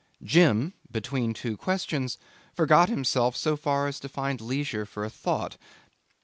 Jim between two questions forgot himself so far as to find leisure for a thought.